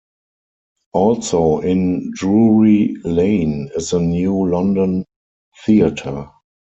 Also in Drury Lane is the New London Theatre.